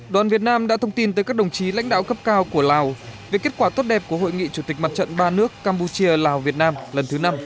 đoàn việt nam đã thông tin tới các đồng chí lãnh đạo cấp cao của lào về kết quả tốt đẹp của hội nghị chủ tịch mặt trận ba nước campuchia lào việt nam lần thứ năm